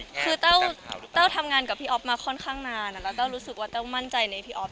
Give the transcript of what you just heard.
คือแต้วทำงานกับพี่อ๊อฟมาค่อนข้างนานแล้วแต้วรู้สึกว่าแต้วมั่นใจในพี่อ๊อฟ